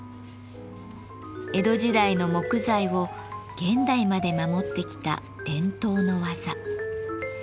江戸時代の木材を現代まで守ってきた伝統の技。